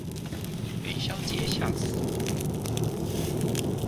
元宵節嚇死我